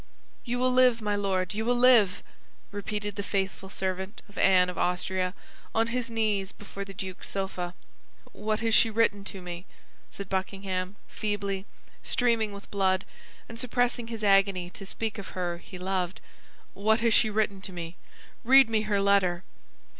"You will live, my Lord, you will live!" repeated the faithful servant of Anne of Austria, on his knees before the duke's sofa. "What has she written to me?" said Buckingham, feebly, streaming with blood, and suppressing his agony to speak of her he loved, "what has she written to me? Read me her letter."